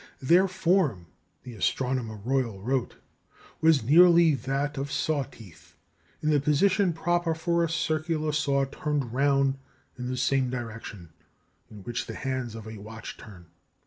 "Their form" (the Astronomer Royal wrote) "was nearly that of saw teeth in the position proper for a circular saw turned round in the same direction in which the hands of a watch turn....